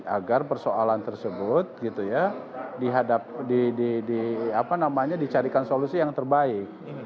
agar persoalan tersebut gitu ya dihadapkan di carikan solusi yang terbaik